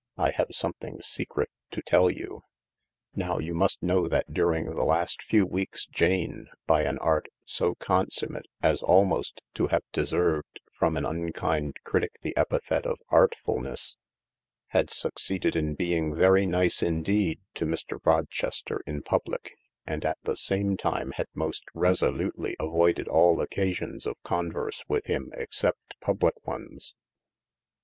I have something secret to tell you." Now you must know that during the last few weeks Jane, by an art so consummate as almost to have deserved from an unkind critic the epithet of artfulness, had succeeded in being very nice indeed to Mr. Rochester in public, and at the same time had most resolutely avoided all occasions of converse with him except public ones.